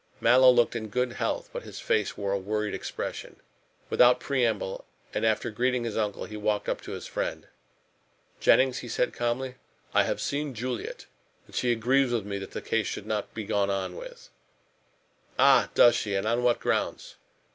Mallow looked in good health, but his face wore a worried expression. Without preamble, and after greeting his uncle, he walked up to his friend. "Jennings," he said calmly, "I have seen Juliet, and she agrees with me that this case should not be gone on with." "Ah! does she, and on what grounds?"